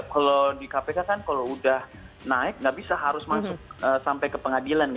kalau di kpk kan kalau udah naik nggak bisa harus masuk sampai ke pengadilan